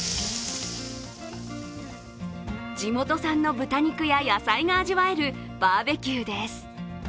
地元産の豚肉や野菜が味わえるバーベキューです。